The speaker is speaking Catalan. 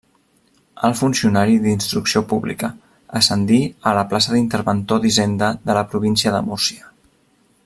Alt funcionari d'Instrucció Pública, ascendí a la plaça d'interventor d'Hisenda de la província de Múrcia.